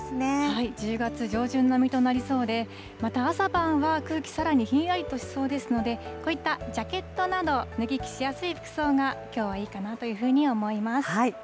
１０月上旬並みとなりそうで、また朝晩は空気、さらにひんやりとしそうですので、こういったジャケットなど、脱ぎ着しやすい服装がきょうはいいかなというふうに思います。